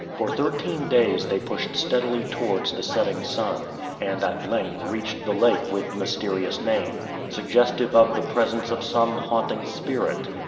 For thirteen days they pushed steadily towards the setting sun, and at length reached the lake with the mysterious name, suggestive of the presence of some haunting spirit.